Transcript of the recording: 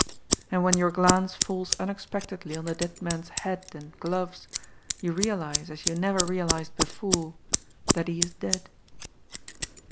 And when your glance falls unexpectedly on the dead man's hat and gloves, you realize, as you never realized before, that he is dead.